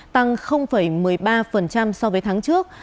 tăng một mươi ba so với tháng trước